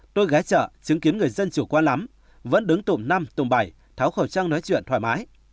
tôi ghé chợ chứng kiến người dân chủ quan lắm vẫn đứng tụm năm tụm bảy tháo khẩu trang nói chuyện thoải mái